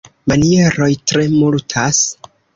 Manieroj tre multas.